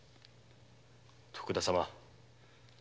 徳田様。